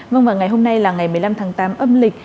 vâng và ngày hôm nay là ngày một mươi năm tháng tám âm lịch